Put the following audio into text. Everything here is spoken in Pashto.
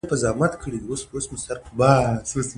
افغانستان د نمک له پلوه متنوع دی.